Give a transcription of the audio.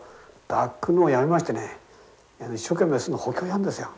抱くのをやめましてね一生懸命巣の補強をやるんですよ。